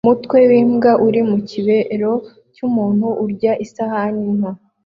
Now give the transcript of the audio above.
Umutwe wimbwa uri mukibero cyumuntu urya isahani nto